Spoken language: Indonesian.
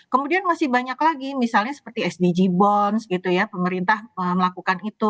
kemudian masih banyak lagi misalnya seperti sdg bonds gitu ya pemerintah melakukan itu